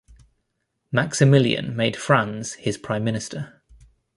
Maximilian made Franz his prime minister.